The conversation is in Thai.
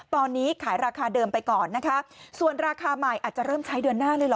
ตอนนี้ขายราคาเดิมไปก่อนนะคะส่วนราคาใหม่อาจจะเริ่มใช้เดือนหน้าเลยเหรอ